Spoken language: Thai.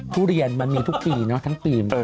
ทุเรียนมันมีทุกปีเนอะทั้งปี